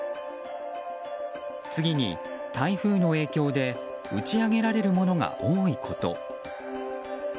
次に、台風の影響で打ち上げられるものが多いこと。